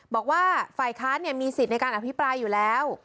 บอกว่าฝ่ายค้านมีสิทธิ์ในการอภิปรายอยู่แล้ว